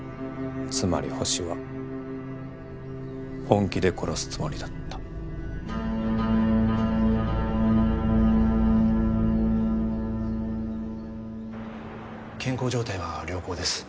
つまりホシは本気で殺すつもりだった・健康状態は良好です